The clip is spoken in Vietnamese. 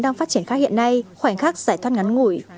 đang phát triển khác hiện nay khoảnh khắc giải thoát ngắn ngủi